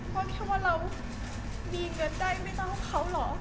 เพราะแค่ว่าเรามีเงินได้ไม่ต้องเอาเขาหรอ